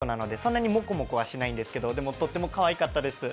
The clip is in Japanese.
うちの猫は毛が短い猫なのでそんなにもこもこはしないんですけどでも、とってもかわいかったです。